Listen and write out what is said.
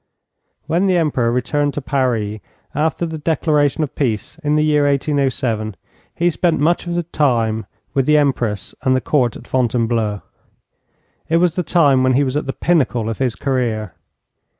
When the Emperor returned to Paris, after the declaration of peace in the year 1807, he spent much of his time with the Empress and the Court at Fontainebleau. It was the time when he was at the pinnacle of his career.